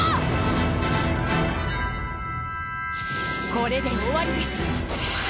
これで終わりです。